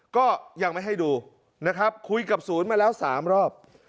ก็ยังไม่ให้ดูนะครับคุยกับศูนย์มาแล้ว๓รอบ